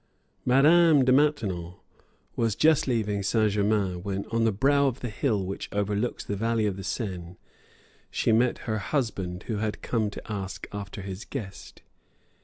Madame de Maintenon was just leaving Saint Germains when, on the brow of the hill which overlooks the valley of the Seine, she met her husband, who had come to ask after his guest.